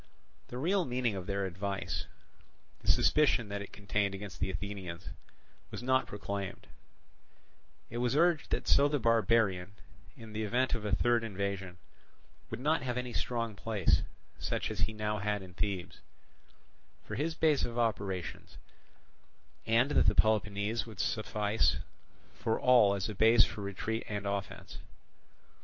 The real meaning of their advice, the suspicion that it contained against the Athenians, was not proclaimed; it was urged that so the barbarian, in the event of a third invasion, would not have any strong place, such as he now had in Thebes, for his base of operations; and that Peloponnese would suffice for all as a base both for retreat and offence.